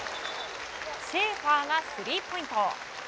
シェーファーがスリーポイント。